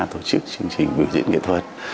tổ chức chương trình biểu diễn nghệ thuật